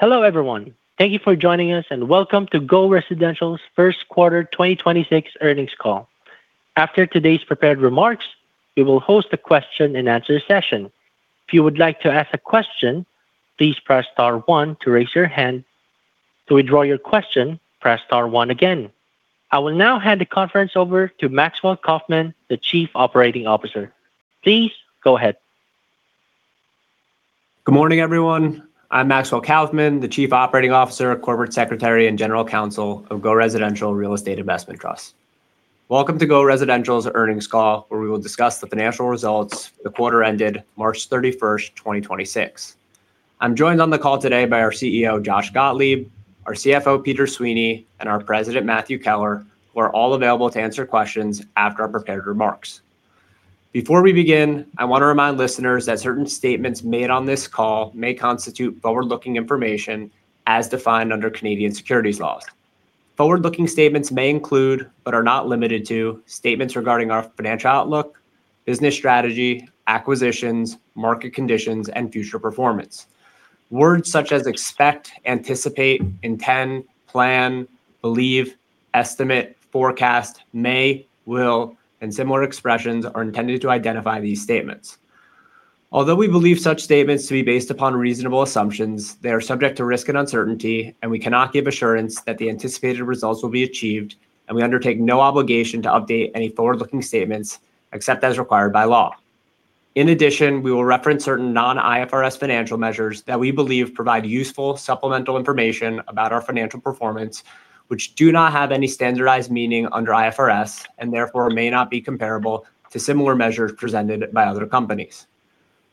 Hello everyone. Thank you for joining us and welcome to GO Residential's first quarter 2026 earnings call. After today's prepared remarks, we will host a question and answer session. If you would like to ask a question, please press star one to raise your hand. To withdraw your question, press star one again. I will now hand the conference over to Maxwell Kaufman, the Chief Operating Officer. Please go ahead. Good morning, everyone. I'm Maxwell Kaufman, the Chief Operating Officer, Corporate Secretary, and General Counsel of GO Residential Real Estate Investment Trust. Welcome to GO Residential's earnings call where we will discuss the financial results for the quarter ended March 31st, 2026. I'm joined on the call today by our CEO, Josh Gotlib, our CFO, Peter Sweeney, and our President, Matthew Keller, who are all available to answer questions after our prepared remarks. Before we begin, I want to remind listeners that certain statements made on this call may constitute forward-looking information as defined under Canadian securities laws. Forward-looking statements may include, but are not limited to, statements regarding our financial outlook, business strategy, acquisitions, market conditions, and future performance. Words such as expect, anticipate, intend, plan, believe, estimate, forecast, may, will, and similar expressions are intended to identify these statements. Although we believe such statements to be based upon reasonable assumptions, they are subject to risk and uncertainty, and we cannot give assurance that the anticipated results will be achieved, and we undertake no obligation to update any forward-looking statements except as required by law. In addition, we will reference certain non-IFRS financial measures that we believe provide useful supplemental information about our financial performance which do not have any standardized meaning under IFRS and therefore may not be comparable to similar measures presented by other companies.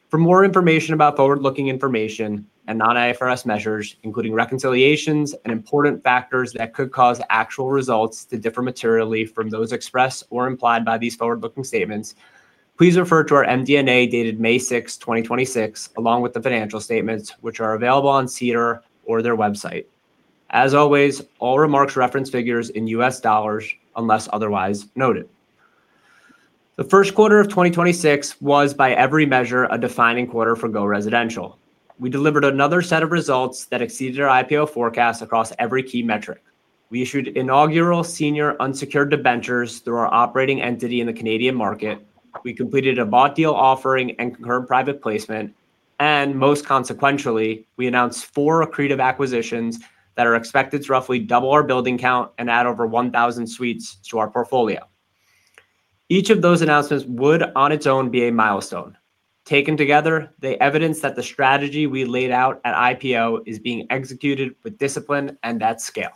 For more information about forward-looking information and non-IFRS measures, including reconciliations and important factors that could cause actual results to differ materially from those expressed or implied by these forward-looking statements, please refer to our MD&A dated May 6th, 2026, along with the financial statements which are available on SEDAR or their website. As always, all remarks reference figures in U.S. dollars unless otherwise noted. The first quarter of 2026 was by every measure a defining quarter for GO Residential. We delivered another set of results that exceeded our IPO forecast across every key metric. We issued inaugural senior unsecured debentures through our operating entity in the Canadian market. We completed a bought deal offering and concurrent private placement. Most consequentially, we announced four accretive acquisitions that are expected to roughly double our building count and add over 1,000 suites to our portfolio. Each of those announcements would on its own be a milestone. Taken together, they evidence that the strategy we laid out at IPO is being executed with discipline and at scale.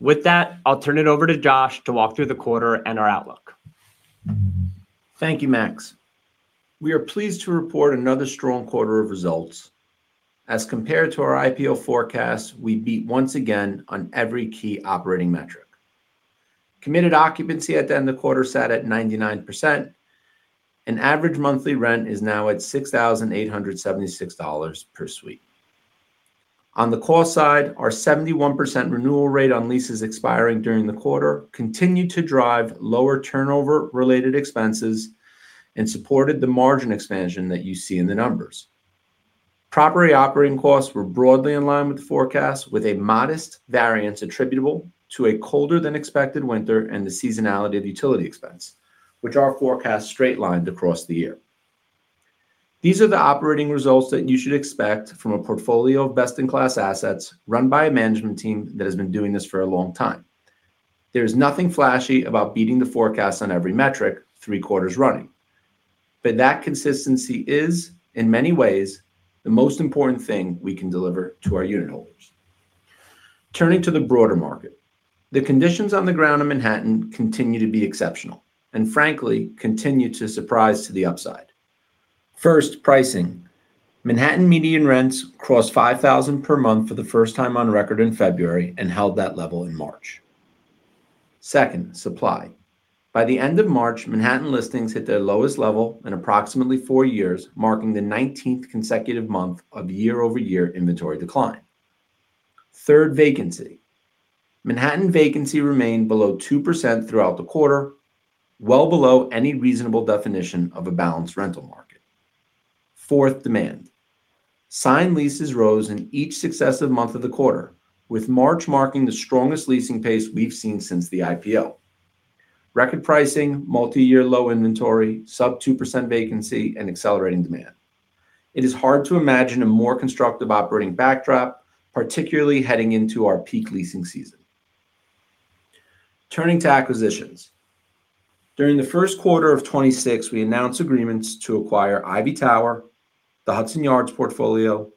With that, I'll turn it over to Josh to walk through the quarter and our outlook. Thank you, Max. We are pleased to report another strong quarter of results. As compared to our IPO forecast, we beat once again on every key operating metric. Committed occupancy at the end of the quarter sat at 99%. Average monthly rent is now at $6,876 per suite. On the cost side, our 71% renewal rate on leases expiring during the quarter continued to drive lower turnover-related expenses and supported the margin expansion that you see in the numbers. Property operating costs were broadly in line with forecast, with a modest variance attributable to a colder than expected winter and the seasonality of utility expense, which our forecast straight-lined across the year. These are the operating results that you should expect from a portfolio of best-in-class assets run by a management team that has been doing this for a long time. There's nothing flashy about beating the forecast on every metric three quarters running, but that consistency is, in many ways, the most important thing we can deliver to our unitholders. Turning to the broader market, the conditions on the ground in Manhattan continue to be exceptional and frankly continue to surprise to the upside. First, pricing. Manhattan median rents crossed $5,000 per month for the first time on record in February and held that level in March. Second, supply. By the end of March, Manhattan listings hit their lowest level in approximately four years, marking the 19th consecutive month of year-over-year inventory decline. Third, vacancy. Manhattan vacancy remained below 2% throughout the quarter, well below any reasonable definition of a balanced rental market. Fourth, demand. Signed leases rose in each successive month of the quarter, with March marking the strongest leasing pace we've seen since the IPO. Record pricing, multi-year low inventory, sub 2% vacancy, and accelerating demand. It is hard to imagine a more constructive operating backdrop, particularly heading into our peak leasing season. Turning to acquisitions. During the first quarter of 2026, we announced agreements to acquire Ivy Tower, the Hudson Yards portfolio,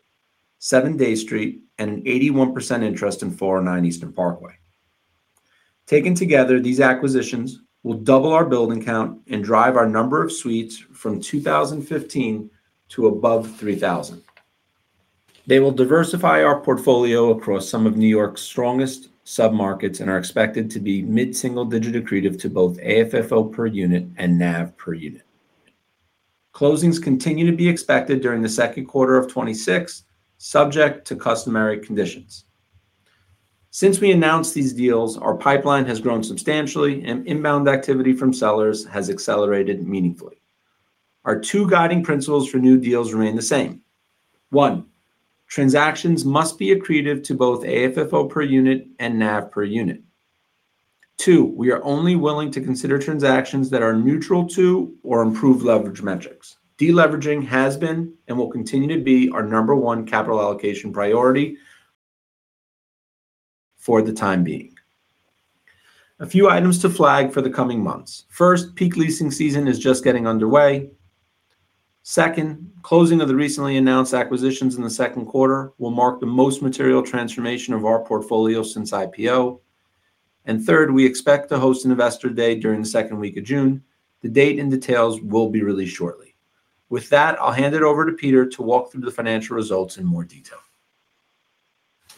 7 Dey Street, and an 81% interest in 409 Eastern Parkway. Taken together, these acquisitions will double our building count and drive our number of suites from 2,015 to above 3,000. They will diversify our portfolio across some of New York's strongest submarkets and are expected to be mid-single digit accretive to both AFFO per unit and NAV per unit. Closings continue to be expected during the second quarter of 2026, subject to customary conditions. Since we announced these deals, our pipeline has grown substantially and inbound activity from sellers has accelerated meaningfully. Our two guiding principles for new deals remain the same. One, transactions must be accretive to both AFFO per unit and NAV per unit. Two, we are only willing to consider transactions that are neutral to or improve leverage metrics. Deleveraging has been and will continue to be our number one capital allocation priority for the time being. A few items to flag for the coming months. First, peak leasing season is just getting underway. Second, closing of the recently announced acquisitions in the second quarter will mark the most material transformation of our portfolio since IPO. Third, we expect to host an Investor Day during the second week of June. The date and details will be released shortly. With that, I'll hand it over to Peter to walk through the financial results in more detail.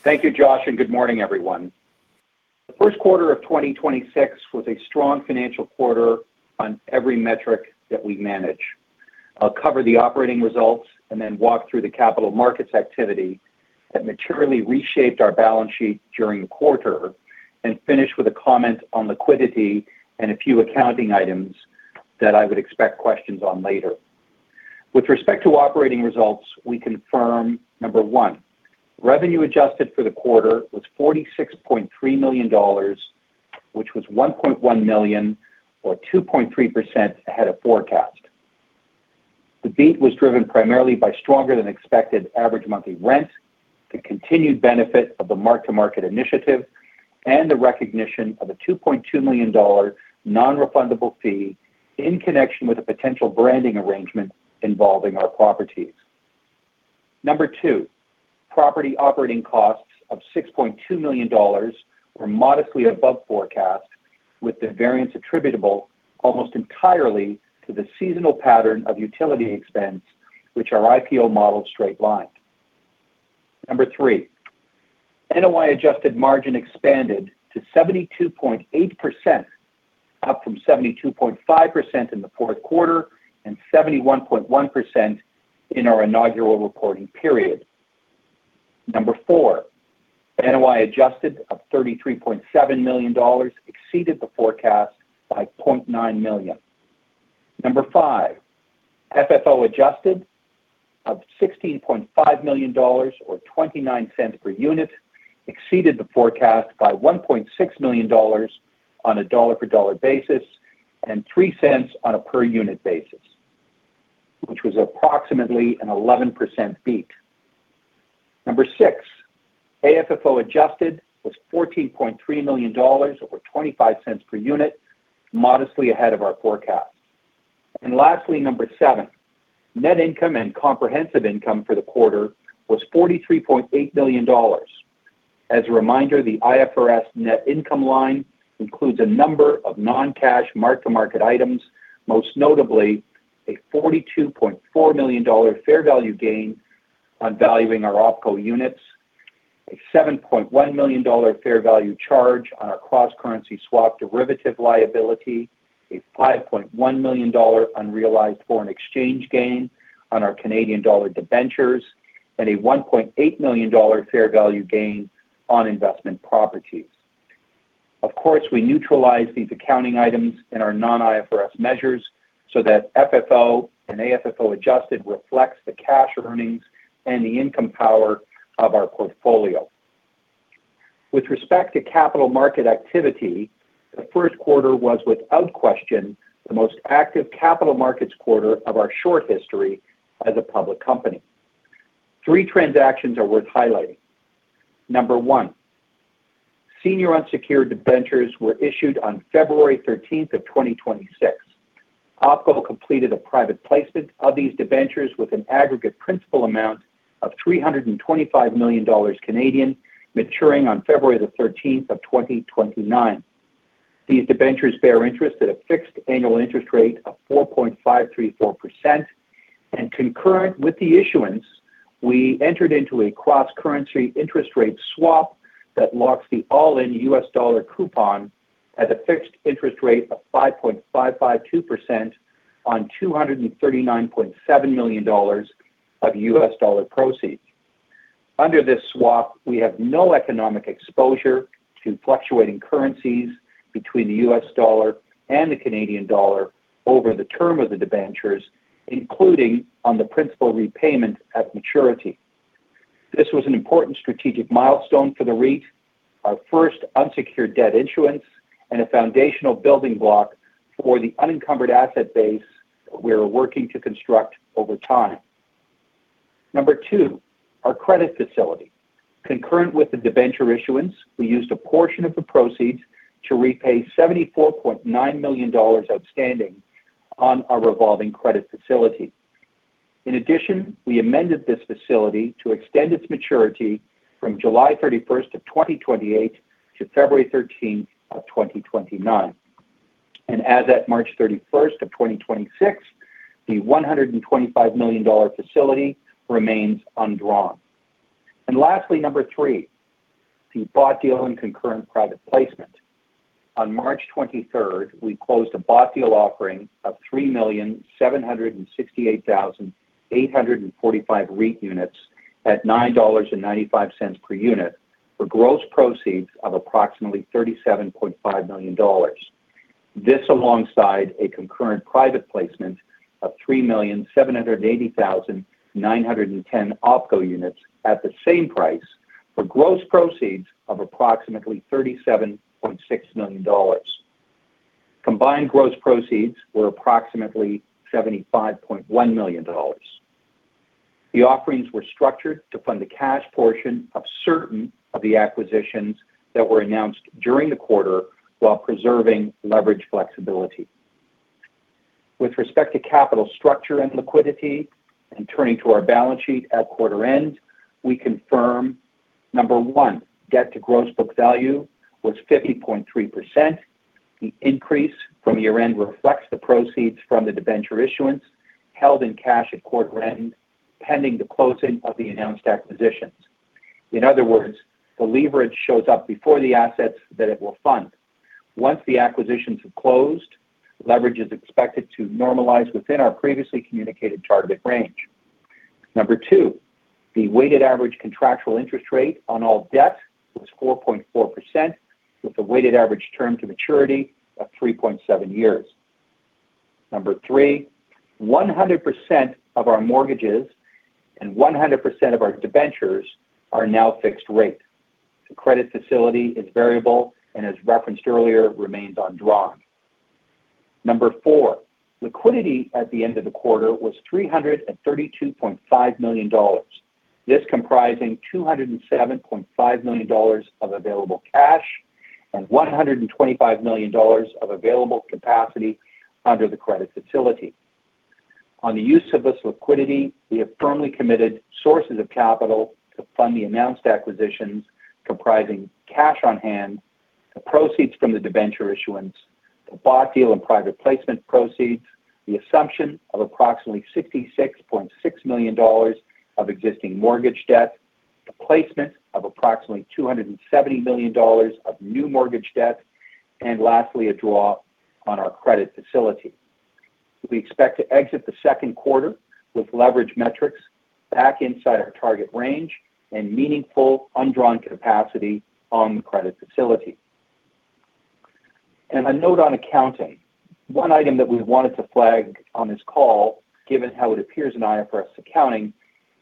Thank you, Josh, good morning, everyone. The first quarter of 2026 was a strong financial quarter on every metric that we manage. I'll cover the operating results and then walk through the capital markets activity that materially reshaped our balance sheet during the quarter and finish with a comment on liquidity and a few accounting items that I would expect questions on later. With respect to operating results, we confirm number one, revenue adjusted for the quarter was $46.3 million, which was $1.1 million or 2.3% ahead of forecast. The beat was driven primarily by stronger than expected average monthly rent, the continued benefit of the mark-to-market initiative and the recognition of a $2.2 million non-refundable fee in connection with a potential branding arrangement involving our properties. Number two, property operating costs of $6.2 million were modestly above forecast with the variance attributable almost entirely to the seasonal pattern of utility expense, which our IPO modeled straight-lined. Number three, NOI adjusted margin expanded to 72.8%, up from 72.5% in the fourth quarter and 71.1% in our inaugural reporting period. Number four, NOI adjusted of $33.7 million exceeded the forecast by $0.9 million. Number five, FFO adjusted of $16.5 million or $0.29 per unit exceeded the forecast by $1.6 million on a dollar for dollar basis and $0.03 on a per unit basis, which was approximately an 11% beat. Number six, AFFO adjusted was $14.3 million or $0.25 per unit modestly ahead of our forecast. Lastly, number seven, net income and comprehensive income for the quarter was $43.8 million. As a reminder, the IFRS net income line includes a number of non-cash mark-to-market items, most notably a $42.4 million fair value gain on valuing our OpCo units, a $7.1 million fair value charge on our cross-currency swap derivative liability, a $5.1 million unrealized foreign exchange gain on our Canadian dollar debentures, and a $1.8 million fair value gain on investment properties. Of course, we neutralize these accounting items in our non-IFRS measures so that FFO and AFFO adjusted reflects the cash earnings and the income power of our portfolio. With respect to capital market activity, the first quarter was without question the most active capital markets quarter of our short history as a public company. Three transactions are worth highlighting. Number one, senior unsecured debentures were issued on February 13th of 2026. OpCo completed a private placement of these debentures with an aggregate principal amount of 325 million Canadian dollars maturing on February the 13th of 2029. These debentures bear interest at a fixed annual interest rate of 4.534%. Concurrent with the issuance, we entered into a cross-currency interest rate swap that locks the all-in U.S. dollar coupon at a fixed interest rate of 5.552% on $239.7 million of U.S. dollar proceeds. Under this swap, we have no economic exposure to fluctuating currencies between the U.S. dollar and the Canadian dollar over the term of the debentures, including on the principal repayment at maturity. This was an important strategic milestone for the REIT, our first unsecured debt issuance, and a foundational building block for the unencumbered asset base we're working to construct over time. Number two, our credit facility. Concurrent with the debenture issuance, we used a portion of the proceeds to repay $74.9 million outstanding on our revolving credit facility. In addition, we amended this facility to extend its maturity from July 31st of 2028 to February 13th of 2029. As at March 31st of 2026, the $125 million facility remains undrawn. Lastly, number three, the bought deal and concurrent private placement. On March 23rd, we closed a bought deal offering of 3,768,845 REIT units at $9.95 per unit for gross proceeds of approximately $37.5 million, alongside a concurrent private placement of 3,780,910 OpCo units at the same price for gross proceeds of approximately $37.6 million. Combined gross proceeds were approximately $75.1 million. The offerings were structured to fund the cash portion of certain of the acquisitions that were announced during the quarter while preserving leverage flexibility. With respect to capital structure and liquidity, turning to our balance sheet at quarter end, we confirm, number one, debt to gross book value was 50.3%. The increase from year-end reflects the proceeds from the debenture issuance held in cash at quarter end, pending the closing of the announced acquisitions. In other words, the leverage shows up before the assets that it will fund. Once the acquisitions have closed, leverage is expected to normalize within our previously communicated target range. Number two, the weighted average contractual interest rate on all debt was 4.4% with a weighted average term to maturity of 3.7 years. Number three, 100% of our mortgages and 100% of our debentures are now fixed rate. The credit facility is variable, and as referenced earlier, remains undrawn. Number four, liquidity at the end of the quarter was $332.5 million. This comprising $207.5 million of available cash and $125 million of available capacity under the credit facility. On the use of this liquidity, we have firmly committed sources of capital to fund the announced acquisitions comprising cash on hand, the proceeds from the debenture issuance, the bought deal and private placement proceeds, the assumption of approximately $66.6 million of existing mortgage debt, the placement of approximately $270 million of new mortgage debt, and lastly, a draw on our credit facility. We expect to exit the second quarter with leverage metrics back inside our target range and meaningful undrawn capacity on the credit facility. A note on accounting. One item that we wanted to flag on this call, given how it appears in IFRS accounting,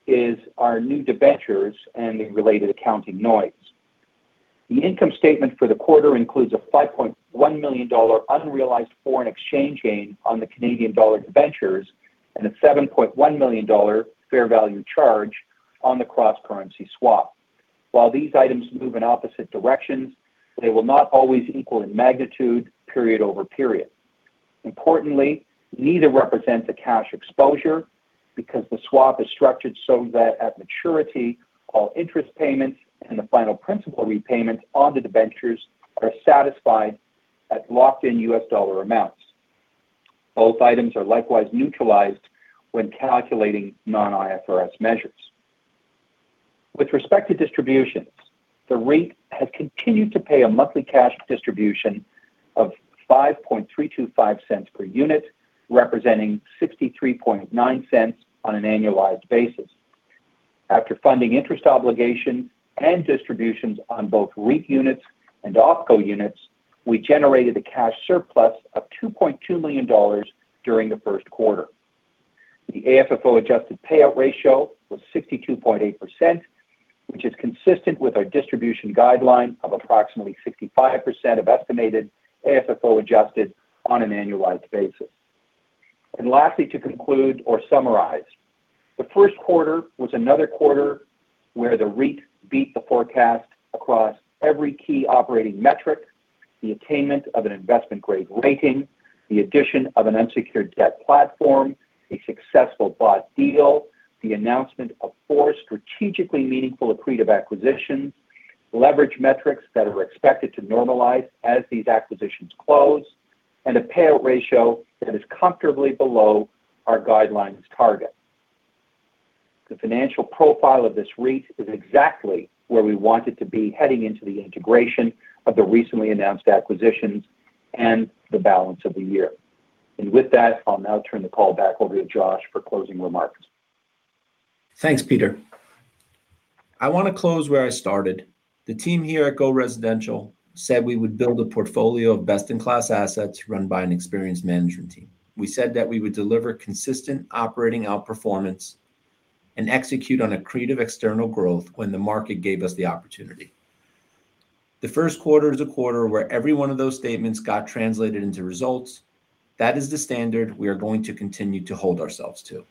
is our new debentures and the related accounting noise. The income statement for the quarter includes a $5.1 million unrealized foreign exchange gain on the Canadian dollar debentures and a $7.1 million fair value charge on the cross-currency interest rate swap. While these items move in opposite directions, they will not always equal in magnitude period over period. Importantly, neither represents a cash exposure because the swap is structured so that at maturity, all interest payments and the final principal repayments on the debentures are satisfied at locked-in U.S. dollar amounts. Both items are likewise neutralized when calculating non-IFRS measures. With respect to distributions, the REIT has continued to pay a monthly cash distribution of $0.05325 per unit, representing $0.639 on an annualized basis. After funding interest obligations and distributions on both REIT units and OpCo units, we generated a cash surplus of $2.2 million during the first quarter. The AFFO adjusted payout ratio was 62.8%, which is consistent with our distribution guideline of approximately 65% of estimated AFFO adjusted on an annualized basis. Lastly, to conclude or summarize, the first quarter was another quarter where the REIT beat the forecast across every key operating metric, the attainment of an investment-grade rating, the addition of an unsecured debt platform, a successful bought deal, the announcement of four strategically meaningful accretive acquisitions, leverage metrics that are expected to normalize as these acquisitions close, and a payout ratio that is comfortably below our guidelines target. The financial profile of this REIT is exactly where we want it to be heading into the integration of the recently announced acquisitions and the balance of the year. With that, I'll now turn the call back over to Josh for closing remarks. Thanks, Peter. I want to close where I started. The team here at GO Residential said we would build a portfolio of best-in-class assets run by an experienced management team. We said that we would deliver consistent operating outperformance and execute on accretive external growth when the market gave us the opportunity. The first quarter is a quarter where every one of those statements got translated into results. That is the standard we are going to continue to hold ourselves to.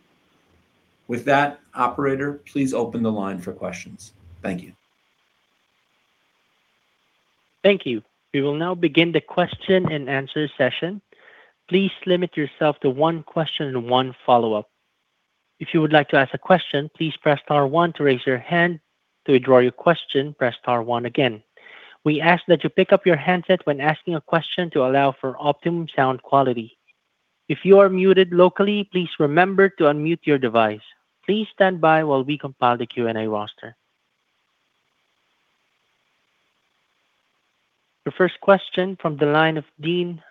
Operator, please open the line for questions. Thank you. Thank you. We will now begin the question-and-answer session. Please limit yourself to one question, one follow-up. If you would like to ask a question, please press star one to raise your hand, to withdraw your question, press star one again. We ask that you pick up your handset when asking a question to allow for optimum sound quality. If you are muted locally, please remember to unmute your device. Please standby while we compile the Q&A roster. Your first question from the line of Dean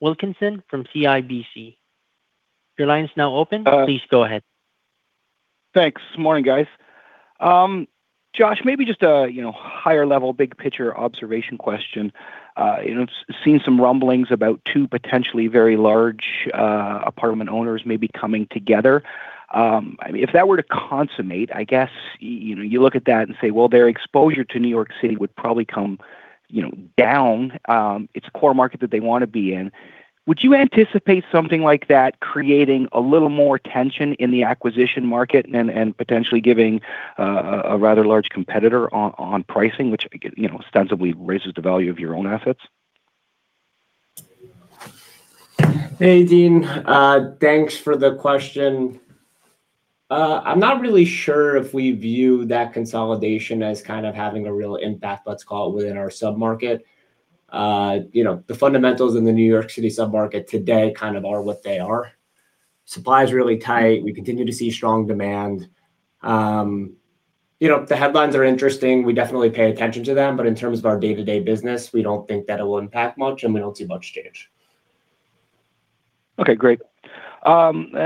Wilkinson from CIBC. Your line is now open. Uh- Please go ahead. Thanks. Morning, guys. Josh, maybe just a, you know, higher level, big picture observation question? You know, seen some rumblings about two potentially very large apartment owners maybe coming together. I mean, if that were to consummate, I guess, you know, you look at that and say, well, their exposure to New York City would probably come, you know, down. It's a core market that they want to be in. Would you anticipate something like that creating a little more tension in the acquisition market and potentially giving a rather large competitor on pricing, which you know, ostensibly raises the value of your own assets? Hey, Dean. Thanks for the question. I'm not really sure if we view that consolidation as kind of having a real impact, let's call it, within our sub-market. You know, the fundamentals in the New York City sub-market today kind of are what they are. Supply is really tight. We continue to see strong demand. You know, the headlines are interesting. We definitely pay attention to them, but in terms of our day-to-day business, we don't think that it will impact much, and we don't see much change. Okay, great.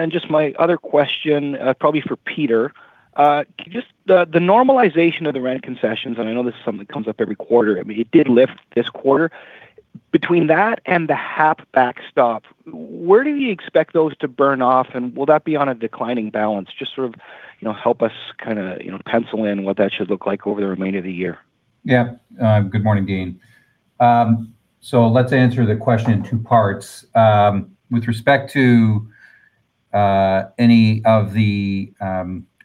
Just my other question, probably for Peter, can you just the normalization of the rent concessions? I know this is something that comes up every quarter. I mean, it did lift this quarter. Between that and the HAP Backstop, where do you expect those to burn off, and will that be on a declining balance? Just sort of, you know, help us kinda, you know, pencil in what that should look like over the remainder of the year. Yeah. Good morning, Dean. Let's answer the question in two parts. With respect to any of the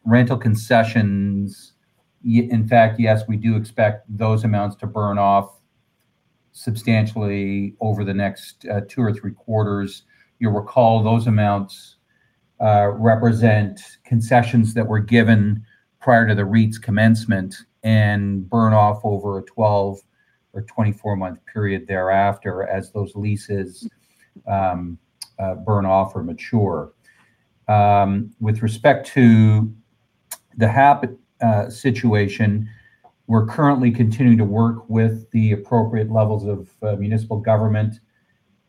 rental concessions, in fact, yes, we do expect those amounts to burn off substantially over the next two or three quarters. You'll recall those amounts represent concessions that were given prior to the REIT's commencement and burn off over a 12 or 24-month period thereafter as those leases burn off or mature. With respect to the HAP situation, we're currently continuing to work with the appropriate levels of municipal government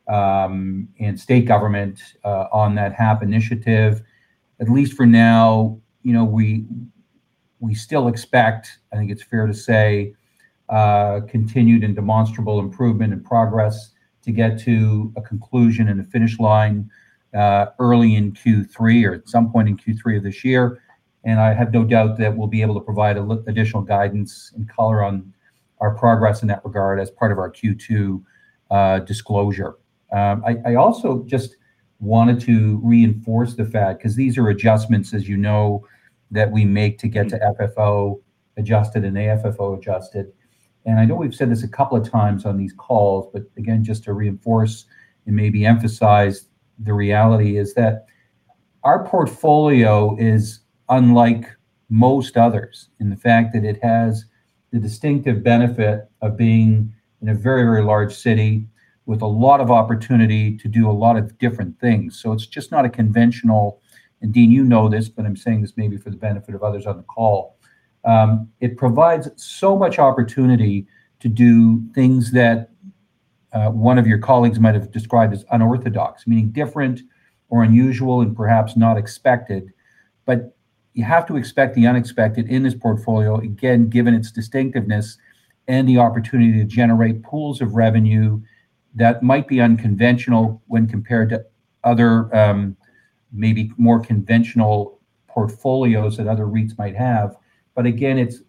and state government on that HAP initiative. At least for now, you know, we still expect, I think it's fair to say, continued and demonstrable improvement and progress to get to a conclusion and a finish line, early in Q3 or at some point in Q3 of this year. I have no doubt that we'll be able to provide additional guidance and color on our progress in that regard as part of our Q2 disclosure. I also just wanted to reinforce the fact, because these are adjustments, as you know, that we make to get to FFO adjusted and AFFO adjusted, and I know we've said this a couple of times on these calls, but again, just to reinforce and maybe emphasize the reality, is that our portfolio is unlike most others in the fact that it has the distinctive benefit of being in a very, very large city with a lot of opportunity to do a lot of different things. It's just not a conventional. Dean, you know this, but I'm saying this maybe for the benefit of others on the call. It provides so much opportunity to do things that one of your colleagues might have described as unorthodox, meaning different or unusual and perhaps not expected. You have to expect the unexpected in this portfolio, again, given its distinctiveness and the opportunity to generate pools of revenue that might be unconventional when compared to other, maybe more conventional portfolios that other REITs might have. Again, it's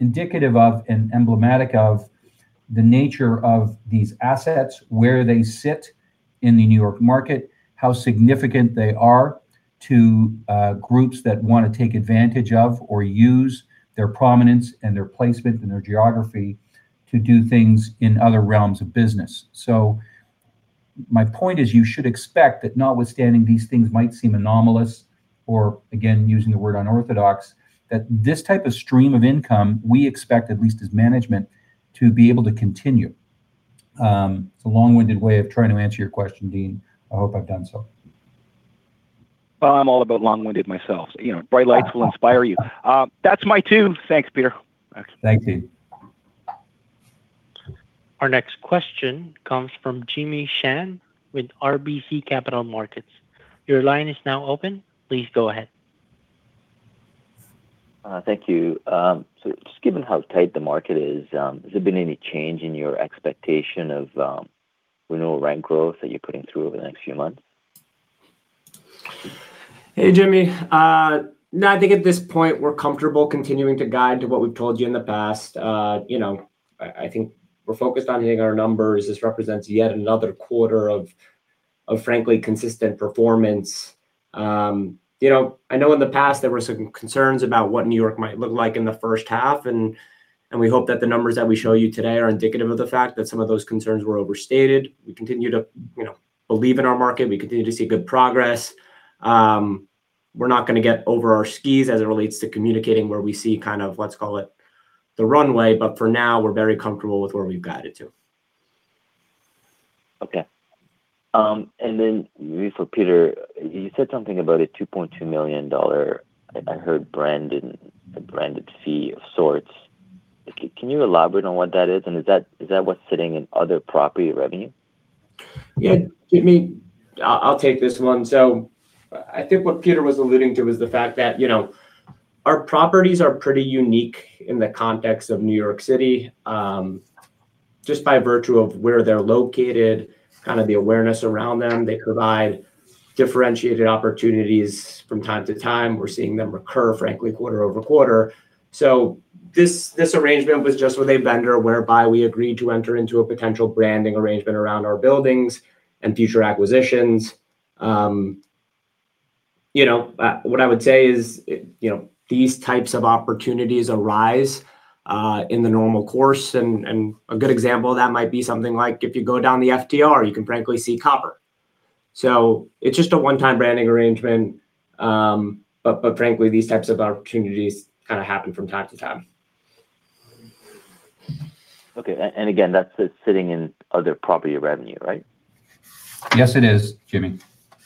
indicative of and emblematic of the nature of these assets, where they sit in the New York market, how significant they are to groups that wanna take advantage of or use their prominence and their placement and their geography to do things in other realms of business. My point is you should expect that notwithstanding these things might seem anomalous, or again, using the word unorthodox, that this type of stream of income, we expect at least as management to be able to continue. It's a long-winded way of trying to answer your question, Dean. I hope I've done so. Well, I'm all about long-winded myself. You know, bright lights will inspire you. That's my tune. Thanks, Peter. Thanks, Dean. Our next question comes from Jimmy Shan with RBC Capital Markets. Your line is now open. Please go ahead. Thank you. Just given how tight the market is, has there been any change in your expectation of renewal rent growth that you're putting through over the next few months? Hey, Jimmy. No, I think at this point we're comfortable continuing to guide to what we've told you in the past. You know, I think we're focused on hitting our numbers. This represents yet another quarter of frankly consistent performance. You know, I know in the past there were some concerns about what New York might look like in the first half, and we hope that the numbers that we show you today are indicative of the fact that some of those concerns were overstated. We continue to, you know, believe in our market. We continue to see good progress. We're not gonna get over our skis as it relates to communicating where we see kind of, let's call it-the runway, but for now we're very comfortable with where we've got it to. Okay. Briefly Peter, you said something about a $2.2 million, I heard branded, a branded fee of sorts. Can you elaborate on what that is, and is that what's sitting in other property revenue? Yeah. Jimmy, I'll take this one. I think what Peter was alluding to was the fact that, you know, our properties are pretty unique in the context of New York City, just by virtue of where they're located, kind of the awareness around them. They provide differentiated opportunities from time to time. We're seeing them recur, frankly, quarter-over-quarter. This arrangement was just with a vendor whereby we agreed to enter into a potential branding arrangement around our buildings and future acquisitions. You know, what I would say is, you know, these types of opportunities arise in the normal course. A good example of that might be something like if you go down the FDR, you can frankly see Copper. It's just a one-time branding arrangement. Frankly, these types of opportunities kind of happen from time to time. Okay. Again, that's sitting in other property revenue, right? Yes, it is, Jimmy.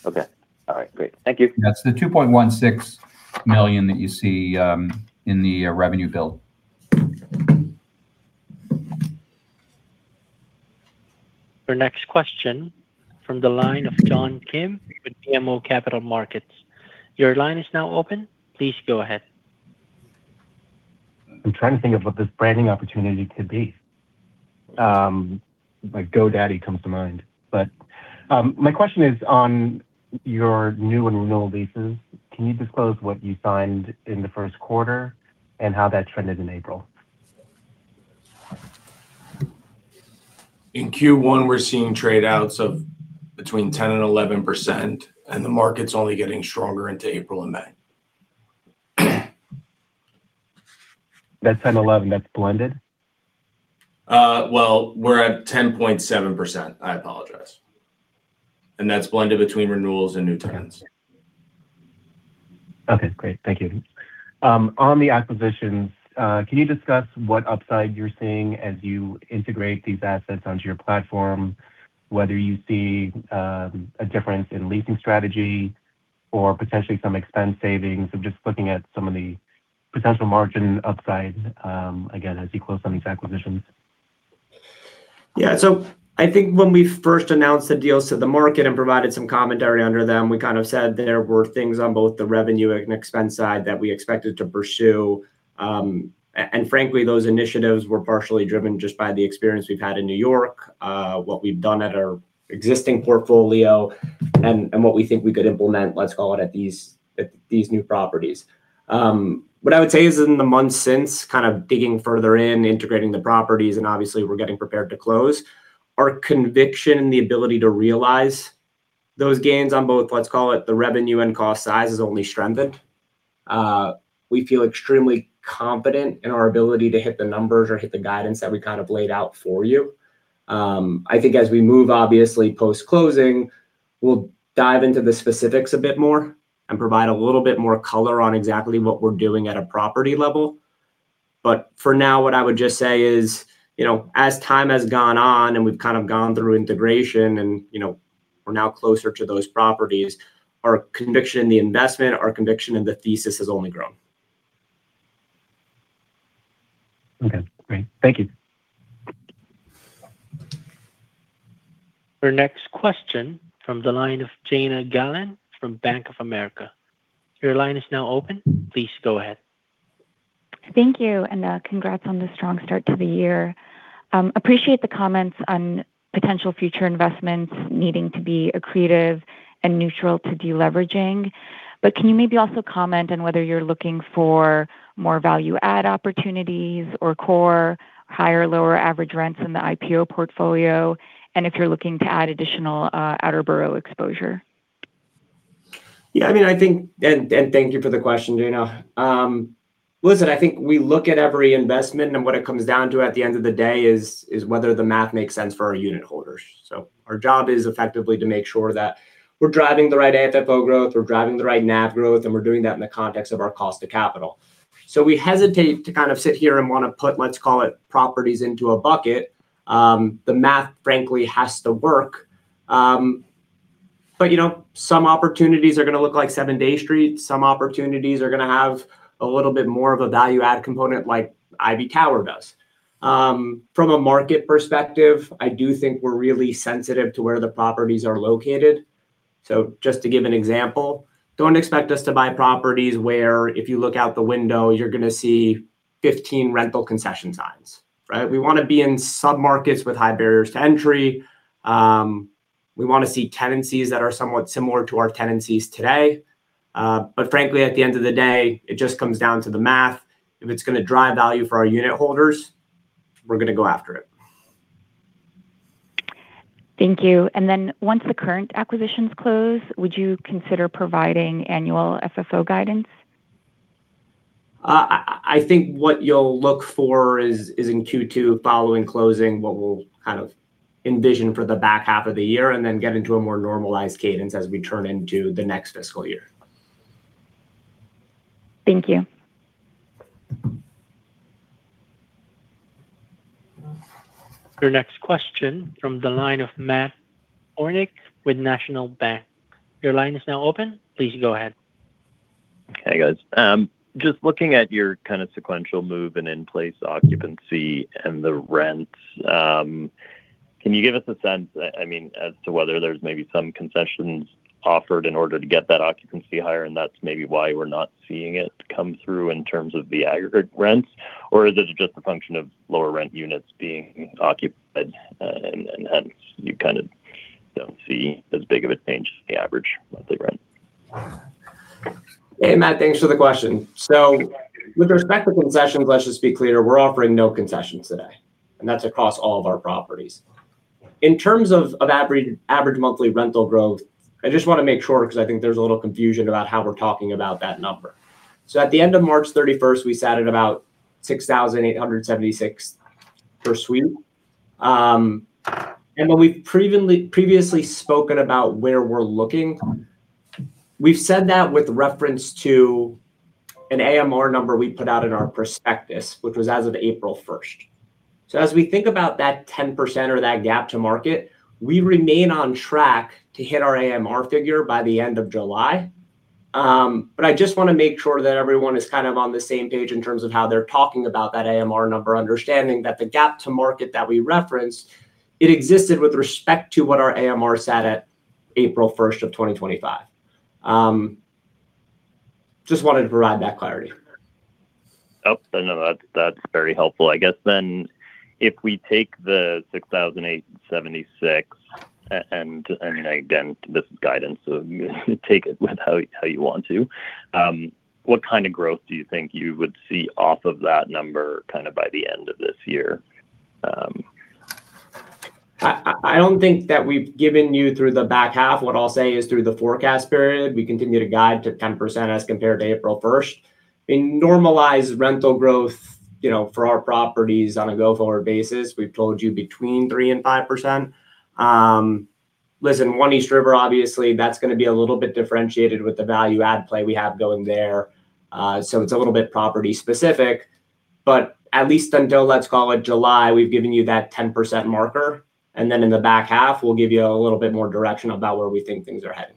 Okay. All right. Great. Thank you. That's the $2.16 million that you see, in the revenue build. Your next question from the line of John Kim with BMO Capital Markets. Your line is now open. Please go ahead. I'm trying to think of what this branding opportunity could be. Like GoDaddy comes to mind. My question is on your new and renewal leases. Can you disclose what you signed in the first quarter and how that trended in April? In Q1 we're seeing trade outs of between 10% and 11%, and the market's only getting stronger into April and May. That 10%-11%, that's blended? Well, we're at 10.7%. I apologize. That's blended between renewals and new tenants. Okay, great. Thank you. On the acquisitions, can you discuss what upside you're seeing as you integrate these assets onto your platform, whether you see a difference in leasing strategy or potentially some expense savings of just looking at some of the potential margin upside, again, as you close on these acquisitions? I think when we first announced the deals to the market and provided some commentary under them, we said there were things on both the revenue and expense side that we expected to pursue. And frankly, those initiatives were partially driven just by the experience we've had in New York, what we've done at our existing portfolio and what we think we could implement, let's call it, at these new properties. What I would say is in the months since digging further in, integrating the properties, and obviously we're getting prepared to close, our conviction in the ability to realize those gains on both, let's call it the revenue and cost side, has only strengthened. We feel extremely confident in our ability to hit the numbers or hit the guidance that we kind of laid out for you. I think as we move obviously post-closing, we'll dive into the specifics a bit more and provide a little bit more color on exactly what we're doing at a property level. For now, what I would just say is, you know, as time has gone on and we've kind of gone through integration and, you know, we're now closer to those properties, our conviction in the investment, our conviction in the thesis has only grown. Okay. Great. Thank you. Our next question from the line of Jana Galan from Bank of America. Your line is now open. Please go ahead. Thank you, congrats on the strong start to the year. Appreciate the comments on potential future investments needing to be accretive and neutral to deleveraging. Can you maybe also comment on whether you're looking for more value add opportunities or core higher lower average rents in the IPO portfolio, and if you're looking to add additional, outer borough exposure? I mean, I think. Thank you for the question, Jana. Listen, I think we look at every investment, what it comes down to at the end of the day is whether the math makes sense for our unitholders. Our job is effectively to make sure that we're driving the right FFO growth, we're driving the right NAV growth, and we're doing that in the context of our cost of capital. We hesitate to kind of sit here and want to put, let's call it properties into a bucket. The math frankly has to work. You know, some opportunities are gonna look like 7 Dey Street. Some opportunities are gonna have a little bit more of a value add component like Ivy Tower does. From a market perspective, I do think we're really sensitive to where the properties are located. Just to give an example, don't expect us to buy properties where if you look out the window, you're gonna see 15 rental concession signs, right? We want to be in sub-markets with high barriers to entry. We want to see tenancies that are somewhat similar to our tenancies today. Frankly, at the end of the day, it just comes down to the math. If it's gonna drive value for our unitholders, we're gonna go after it. Thank you. Once the current acquisitions close, would you consider providing annual FFO guidance? I think what you'll look for is in Q2 following closing, what we'll kind of envision for the back half of the year and then get into a more normalized cadence as we turn into the next fiscal year. Thank you. Your next question from the line of Matt Hornick with National Bank. Your line is now open. Please go ahead. Okay, guys. Just looking at your kind of sequential move and in place occupancy and the rents, can you give us a sense, I mean, as to whether there's maybe some concessions offered in order to get that occupancy higher and that's maybe why we're not seeing it come through in terms of the aggregate rents? Or is it just a function of lower rent units being occupied, and hence you kind of don't see as big of a change in the average monthly rent? Hey, Matt, thanks for the question. With respect to concessions, let's just be clear, we're offering no concessions today, and that's across all of our properties. In terms of average monthly rental growth, I just wanna make sure because I think there's a little confusion about how we're talking about that number. At the end of March 31st, we sat at about $6,876 per suite. When we've previously spoken about where we're looking, we've said that with reference to an AMR number we put out in our prospectus, which was as of April 1st. As we think about that 10% or that gap to market, we remain on track to hit our AMR figure by the end of July. I just wanna make sure that everyone is kind of on the same page in terms of how they're talking about that AMR number, understanding that the gap to market that we referenced, it existed with respect to what our AMR sat at April first of 2025. Just wanted to provide that clarity. Oh, no, that's very helpful. I guess if we take the $6,876 and, I mean, again, this is guidance, so you take it how you want to, what kind of growth do you think you would see off of that number kind of by the end of this year? I don't think that we've given you through the back half. What I'll say is through the forecast period, we continue to guide to 10% as compared to April 1st. In normalized rental growth, you know, for our properties on a go-forward basis, we've told you between 3% and 5%. Listen, 1 East River, obviously, that's gonna be a little bit differentiated with the value add play we have going there. It's a little bit property specific. At least until, let's call it July, we've given you that 10% marker, then in the back half, we'll give you a little bit more direction about where we think things are heading.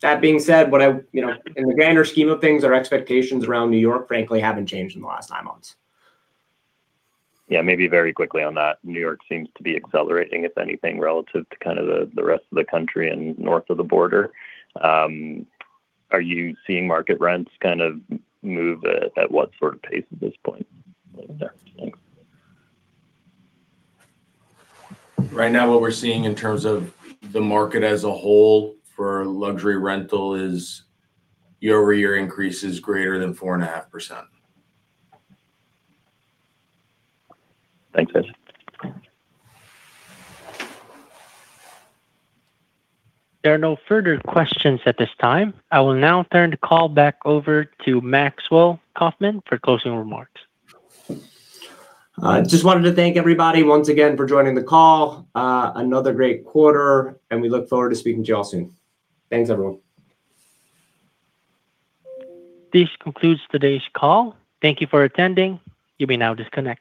That being said, you know, in the grander scheme of things, our expectations around New York frankly haven't changed in the last nine months. Maybe very quickly on that. New York seems to be accelerating, if anything, relative to kind of the rest of the country and north of the border. Are you seeing market rents kind of move at what sort of pace at this point? Thanks. Right now, what we're seeing in terms of the market as a whole for luxury rental is year-over-year increase is greater than 4.5%. Thanks, guys. There are no further questions at this time. I will now turn the call back over to Maxwell Kaufman for closing remarks. Just wanted to thank everybody once again for joining the call. Another great quarter, and we look forward to speaking to you all soon. Thanks, everyone. This concludes today's call. Thank you for attending. You may now disconnect.